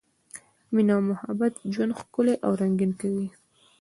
مینه او محبت ژوند ښکلی او رنګین کوي.